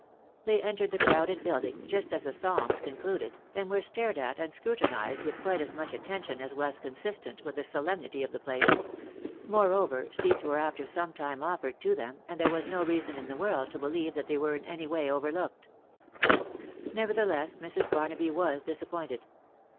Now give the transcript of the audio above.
They entered the crowded building just ss the Psalms concluded, and were stared at and scrutinised with quite as much attention as was consistent with the solemnity of the place : moreover, seats were after some time offered to them, and there was no reason in the world to believe that they were in any way overlooked. Nevertheless Mrs. Barnaby was disappointed.